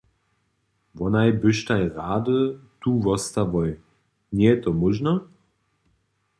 Wonaj byštaj rady tu wostałoj, njeje to móžno?